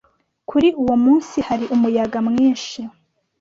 Kuri uwo munsi hari umuyaga mwinshi.